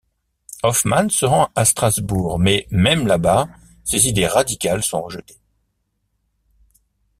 Hoffman se rend à Strasbourg, mais même là-bas ses idées radicales sont rejetées.